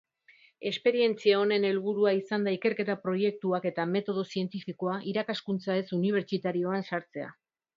Esperientzia honen helburua izan da ikerketa proiektuak eta metodo zientifikoa irakaskuntza ez-unibertsitarioan sartzea.